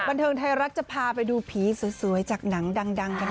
บรรเทิงไทยรัฐจะพาไปดูผีสวยสวยจากหนังดังดังทั้ง